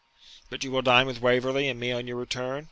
'But you will dine with Waverley and me on your return?